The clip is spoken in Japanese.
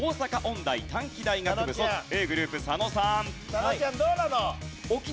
佐野ちゃんどうなの？